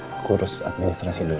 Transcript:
aku urus administrasi dulu ya